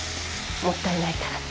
もったいないから。